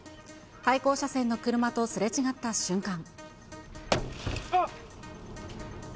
対向車線の車とすれ違った瞬間。